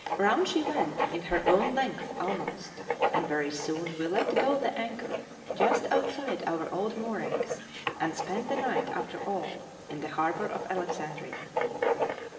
Round she went in her own length almost, and very soon we let go the anchor just outside our old moorings, and spent the night, after all, in the harbour of Alexandria.